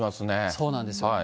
そうなんですよ。